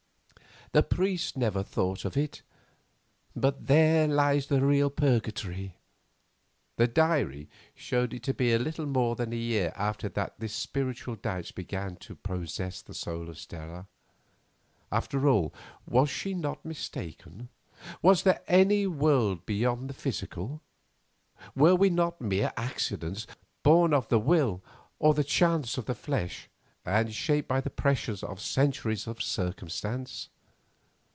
The priests never thought of it, but there lies the real purgatory." The diary showed it to be a little more than a year after this that spiritual doubts began to possess the soul of Stella. After all, was she not mistaken? Was there any world beyond the physical? Were we not mere accidents, born of the will or the chance of the flesh, and shaped by the pressure of centuries of circumstance?